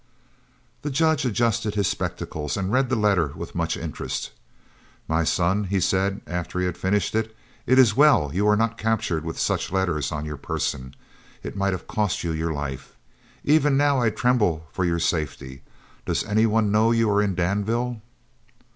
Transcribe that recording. The Judge adjusted his spectacles, and read the letter with much interest. "My son," he said, after he had finished it, "it is well you were not captured with such letters on your person. It might have cost you your life. Even now I tremble for your safety. Does any one know you are in Danville?"